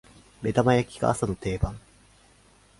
目玉焼きが朝の定番